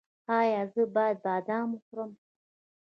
ایا زه باید بادام وخورم؟